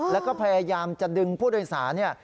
แล้วก็พยายามจะดึงผู้โดยสารเนี่ย